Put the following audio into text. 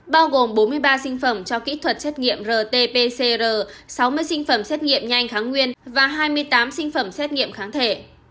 bao gồm bốn mươi ba sinh phẩm cho kỹ thuật xét nghiệm rt pcr sáu mươi sinh phẩm xét nghiệm nhanh kháng nguyên và hai mươi tám sinh phẩm xét nghiệm kháng thể